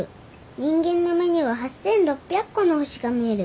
人間の目には８，６００個の星が見える。